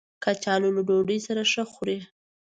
کچالو له ډوډۍ سره ښه خوري